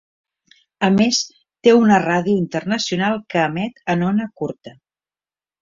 A més té una ràdio internacional que emet en ona curta.